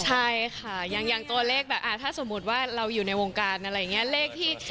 ใช่ค่ะอย่างตัวเลขแบบถ้าสมมุติว่าเราอยู่ในวงการอะไรอย่างนี้เลขที่